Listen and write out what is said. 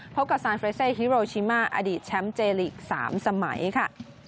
พบกับซานเฟรเซฮิโรชิมาอดีตแชมป์เจลีก๓สมัยค่ะ